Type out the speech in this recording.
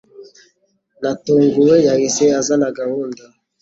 Natunguwe, yahise azana gahunda.